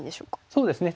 そうですね